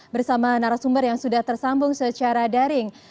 bersama narasumber yang sudah tersambung secara daring